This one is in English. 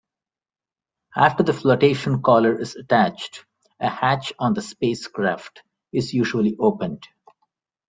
After the flotation collar is attached, a hatch on the spacecraft is usually opened.